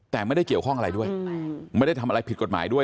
แต่ไม่ได้เกี่ยวข้องอะไรด้วยไม่ได้ทำอะไรผิดกฎหมายด้วย